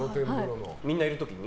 みんないる時に？